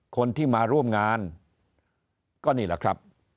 คนที่มาร่วมงานก็นี่แหละครับ